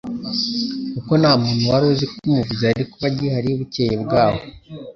kuko nta n'umwe wari uzi ko Umuvuzi yari kuba agihari bukcye bwaho.